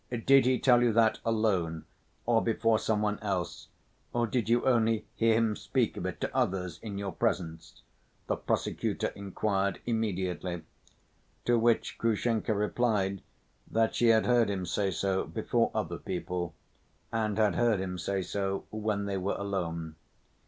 "Did he tell you that alone, or before some one else, or did you only hear him speak of it to others in your presence?" the prosecutor inquired immediately. To which Grushenka replied that she had heard him say so before other people, and had heard him say so when they were alone.